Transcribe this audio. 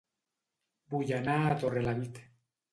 Vull anar a Torrelavit